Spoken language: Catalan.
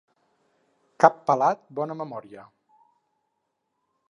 Cap pelat, bona memòria.